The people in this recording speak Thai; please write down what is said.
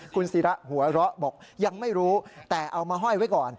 คุณศิระหัวเราะบอกยังไม่รู้แต่เอามาห้อยไว้ก่อน